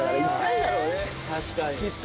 確かに。